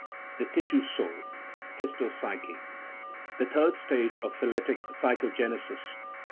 The tissue soul (histopsyche) : third stage of phyletic psychogenesis.